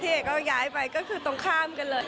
เอกก็ย้ายไปก็คือตรงข้ามกันเลย